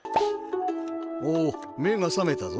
おおめがさめたぞ。